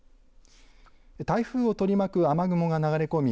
台風を取り巻く雨雲が流れ込み